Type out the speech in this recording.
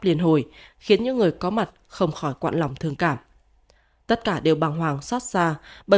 liền hồi khiến những người có mặt không khỏi quặn lòng thương cảm tất cả đều bằng hoàng xót xa bởi